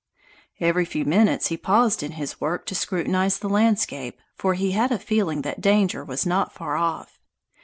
Every few minutes he paused in his work to scrutinize the landscape, for he had a feeling that danger was not far off.